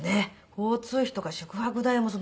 交通費とか宿泊代も。